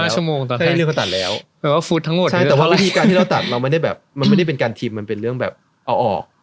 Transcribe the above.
ใช่แต่ว่าวิธีการที่เราตัดเราไม่ได้แบบมันไม่ได้เป็นการทิมมันเป็นเรื่องแบบเอาออก